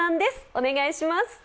お願いします。